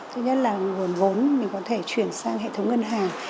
thứ nhất là nguồn vốn mình có thể chuyển sang hệ thống ngân hàng